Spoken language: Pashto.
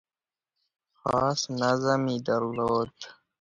خاص نظم یې درلود .